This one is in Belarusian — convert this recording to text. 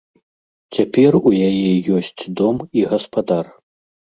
Цяпер у яе ёсць дом і гаспадар.